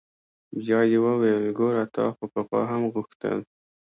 بيا يې وويل ګوره تا خو پخوا هم غوښتل.